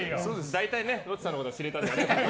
大体ロッチさんのことは知れたのでね。